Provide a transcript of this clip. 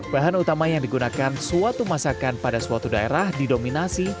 bahan utama yang digunakan suatu masakan pada suatu daerah didominasi